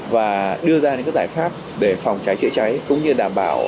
và đưa ra những cái giải pháp để phòng cháy chữa cháy